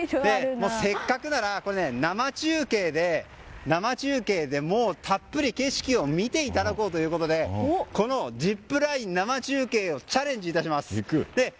せっかくなら生中継でもうたっぷり、景色を見ていただこうということでこのジップライン生中継をチャレンジいたします。